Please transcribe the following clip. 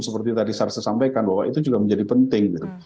seperti tadi sarsa sampaikan bahwa itu juga menjadi penting gitu